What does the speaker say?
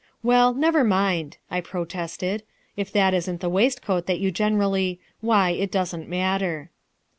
"Well, never mind," I protested; "if that isn't the waistcoat that you generally why, it doesn't matter."